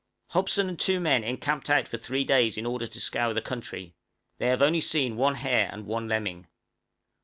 Hobson and two men encamped out for three days in order to scour the country; they have only seen one hare and one lemming!